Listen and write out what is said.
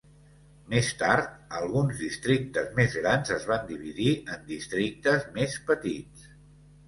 Més tard, alguns districtes més grans es van dividir en districtes més petits.